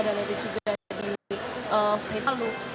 dan ada juga di saitala